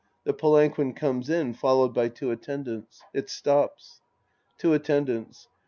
The palanquin comes in followed by two Attendants. It stops.) Two Attendants.